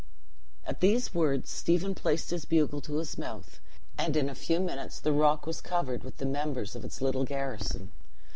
At these words, Stephen placed his bugle to his mouth, and in a few minutes the rock was covered with the members of its little garrison.